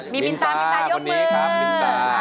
มินตามินตายกมือมินตาวันนี้ครับมินตา